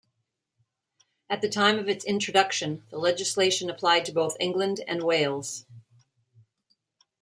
At the time of its introduction the legislation applied to both England and Wales.